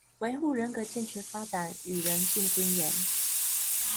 維護人格健全發展與人性尊嚴